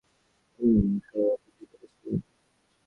উম, কাল রাতে কি বলেছিলাম?